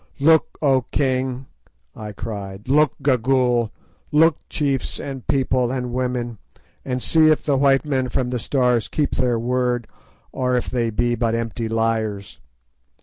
"Look, O king!" I cried; "look, Gagool! Look, chiefs and people and women, and see if the white men from the Stars keep their word, or if they be but empty liars!